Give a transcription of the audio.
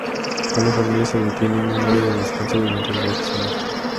Una familia se detiene en un área de descanso durante sus vacaciones.